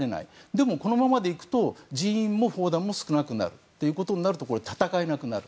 でも、このままでいくと人員も砲弾も少なくなるということになると戦えなくなる。